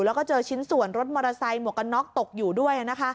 แล้วก็เจอชิ้นส่วนรถมอเตอร์ไซค์หมวกกันน็อกตกอยู่ด้วย